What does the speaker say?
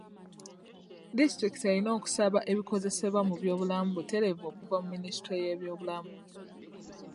Disitulikiti erina okusaba ebikozesebwa mu by'obulamu butereevu okuva mu minisitule y'ebyobulamu.